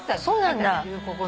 そうなんだ。